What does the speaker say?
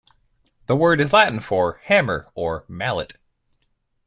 The word is Latin for "hammer" or "mallet".